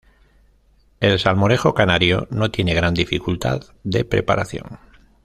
El salmorejo canario no tiene gran dificultad de preparación.